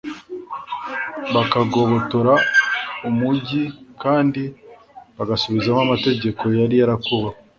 bakagobotora umugi kandi bagasubizaho amategeko yari yarakuweho